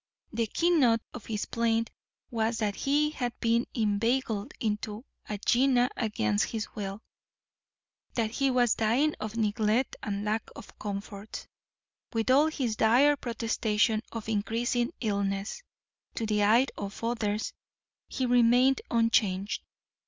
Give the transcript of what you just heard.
The keynote of his plaint was that he had been inveigled into a gehenna against his will; that he was dying of neglect and lack of comforts. With all his dire protestations of increasing illness, to the eye of others he remained unchanged.